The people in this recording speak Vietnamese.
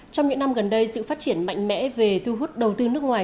trong những năm gần đây sự phát triển mạnh mẽ về thu hút đầu tư nước ngoài